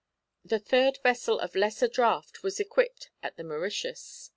A third vessel of lesser draught was equipped at the Mauritius.